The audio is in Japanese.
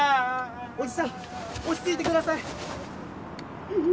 おじさん落ち着いて下さい！